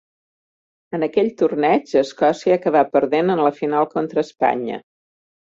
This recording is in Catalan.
En aquell torneig Escòcia acabà perdent en la final contra Espanya.